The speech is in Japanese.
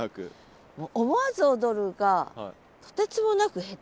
「思わず踊る」がとてつもなく下手。